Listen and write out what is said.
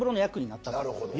なるほど。